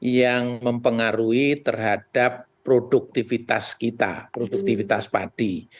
yang mempengaruhi terhadap produktivitas kita produktivitas padi